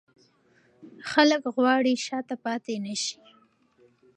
خلک غواړي شاته پاتې نه شي.